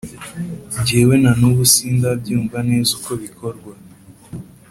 Njyewe nanubu sindabyumva neza uko bikorwa